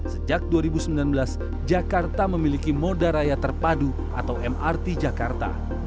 sejak dua ribu sembilan belas jakarta memiliki moda raya terpadu atau mrt jakarta